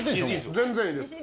全然いいです。